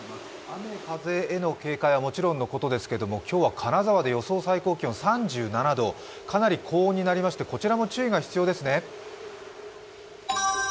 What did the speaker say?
雨風への警戒はもちろんですけれども、今日は金沢で予想最高気温３７度かなり高温になりましてこちらも注意が必要ですね。